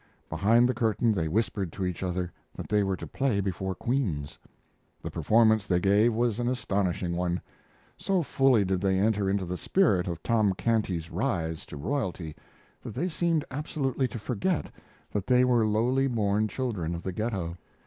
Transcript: Behind the curtain they whispered to each other that they were to play before queens. The performance they gave was an astonishing one. So fully did they enter into the spirit of Tom Canty's rise to royalty that they seemed absolutely to forget that they were lowly born children of the Ghetto.